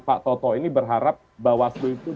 pak toto ini berharap bawaslu itu